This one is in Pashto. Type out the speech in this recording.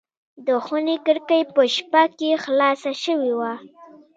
د خونې کړکۍ په شپه کې خلاصه شوې وه.